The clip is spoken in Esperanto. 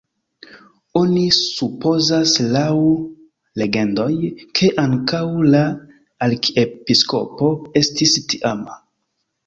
Oni supozas laŭ legendoj, ke ankaŭ la arkiepiskopo estis tiama.